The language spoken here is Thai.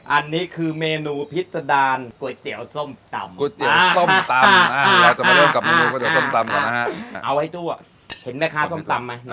อันนี้คือเมนูพิษดารโกยเตี๋ยวส้มตำ